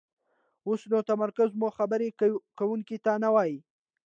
اوسو نو تمرکز مو خبرې کوونکي ته نه وي،